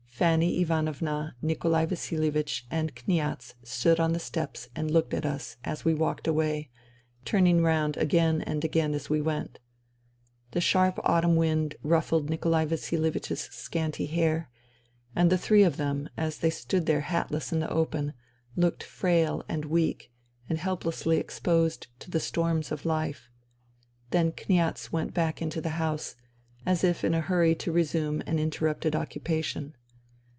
Fanny Ivanovna, Nikolai Vasilievich and Kniaz stood on the steps and looked at us, as we walked away, turning round again and again as we went. The sharp autumn wind ruffled Nikolai Vasilievich' s scanty hair, and the three of them, as they stood there hatless in the open, looked frail and weak and helplessly exposed to the storms of life. Then Kniaz went back into the house, as if in a hurry to resume an interrupted occupation.